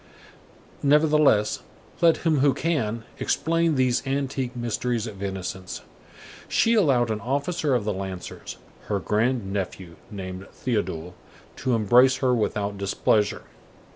Nevertheless, let him who can explain these antique mysteries of innocence, she allowed an officer of the Lancers, her grand nephew, named Théodule, to embrace her without displeasure.